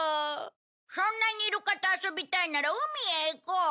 そんなにイルカと遊びたいなら海へ行こう。